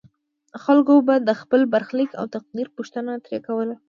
خلکو به د خپل برخلیک او تقدیر پوښتنه ترې کوله.